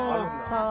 そう。